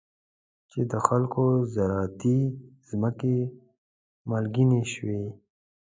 چې د خلکو زراعتي ځمکې مالګینې شوي.